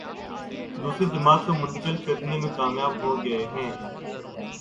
دوسری جماعت کو منتقل کرنے میں کامیاب ہو گئے۔